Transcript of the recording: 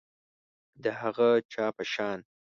د هغه چا په شان